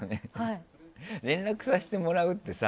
連絡させてもらうってさ